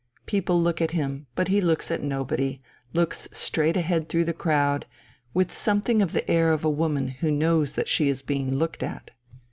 People look at him, but he looks at nobody, looks straight ahead through the crowd, with something of the air of a woman who knows that she is being looked at.